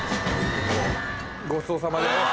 ごちそうさまです。